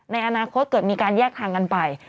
ในอนาคตเกิดมีการแยกทางกันไป